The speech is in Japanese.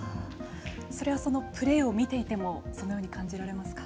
それはプレーを見ていてもそのように感じられますか。